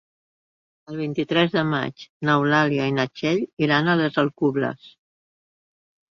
El vint-i-tres de maig n'Eulàlia i na Txell iran a les Alcubles.